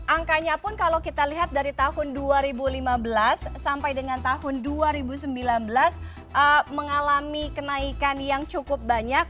angkanya pun kalau kita lihat dari tahun dua ribu lima belas sampai dengan tahun dua ribu sembilan belas mengalami kenaikan yang cukup banyak